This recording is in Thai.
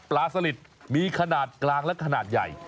สลิดมีขนาดกลางและขนาดใหญ่